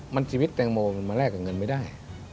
มันชีวิตแตงโมมันมาแลกกับเงินไม่ได้